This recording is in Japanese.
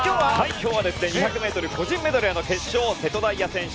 今日は２００ｍ個人メドレーの決勝、瀬戸大也選手